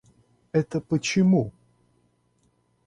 Это почему?